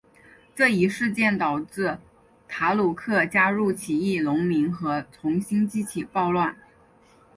这一事件导致塔鲁克加入起义农民和重新激起暴乱。